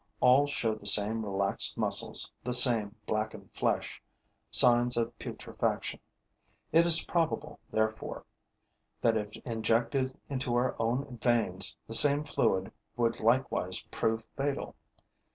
All show the same relaxed muscles, the same blackened flesh, signs of putrefaction. It is probable, therefore, that, if injected into our own veins, the same fluid would likewise prove fatal.